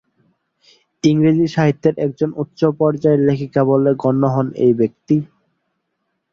ইংরেজি সাহিত্যের একজন উচ্চ পর্যায়ের লেখিকা বলে গণ্য হন এই ব্যক্তি।